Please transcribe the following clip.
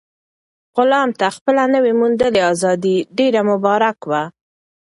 غلام ته خپله نوي موندلې ازادي ډېره مبارک وه.